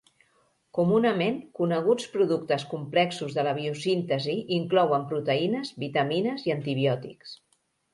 Comunament, coneguts productes complexos de la biosíntesi inclouen proteïnes, vitamines i antibiòtics.